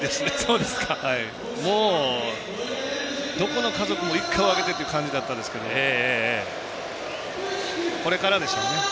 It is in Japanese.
もう、どこの家族も一家をあげてって感じでしたけどこれからでしょうね。